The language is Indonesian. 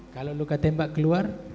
kalau luka tembak keluar